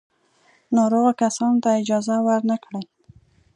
ناروغو کسانو ته اجازه ور نه کړي.